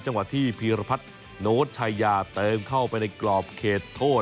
จังหวัดที่พีรพัฒน์โน้ตชายาเติมเข้าไปในกรอบเขตโทษ